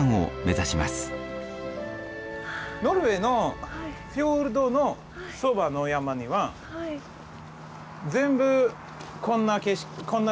ノルウェーのフィヨルドのそばの山には全部こんなふうな景色ですよ。